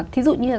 thí dụ như là